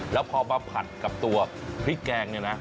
แล้วพอมาผัดกับตัวพริกแกงเนี่ยนะ